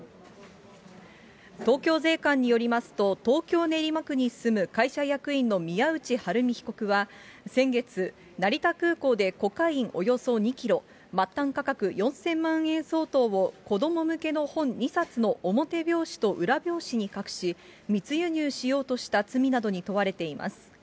東京税関によりますと、東京・練馬区に住む会社役員の宮内春美被告は、先月、成田空港でコカインおよそ２キロ、末端価格４０００万円相当を子ども向けの本２冊の表表紙と裏表紙に隠し、密輸入しようとした罪などに問われています。